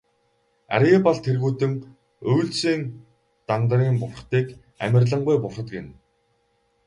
Арьяабал тэргүүтэн үйлсийн Дандарын бурхдыг амарлингуй бурхад гэнэ.